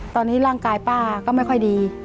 ตอนนี้ร่างกายป้าก็ไม่ค่อยดี